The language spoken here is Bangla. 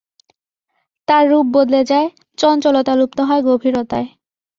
তার রূপ বদলে যায়, চাঞ্চলতা লুপ্ত হয় গভীরতায়।